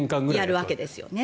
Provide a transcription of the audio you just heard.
やるわけですよね。